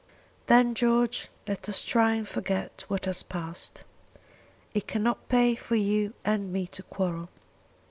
"Then, George, let us try and forget what has passed. It cannot pay for you and me to quarrel.